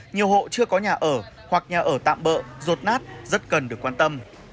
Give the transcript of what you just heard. nhiều hộ chưa có nhà ở hoặc nhà ở tạm bợ rụt nát rất cần được quan tâm